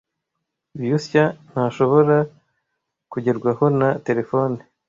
Lyusya ntashobora kugerwaho na terefone.